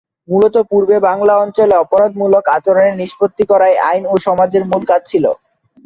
মূলত পূর্বে বাংলা অঞ্চলে অপরাধমূলক আচরণের নিষ্পত্তি করাই আইন ও সমাজের মূল কাজ ছিল।